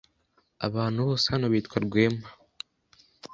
Abantu bose hano bitwa Rwema.